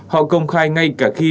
họ công khai ngay cả khi